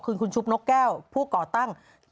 คือคุณชุบนกแก้วผู้ก่อตั้ง